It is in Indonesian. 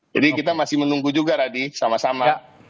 jadi kita masih menunggu juga radhi sama sama